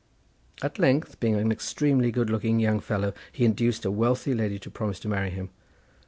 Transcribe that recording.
At length, being an extremely good looking young fellow, he induced a wealthy lady to promise to marry him.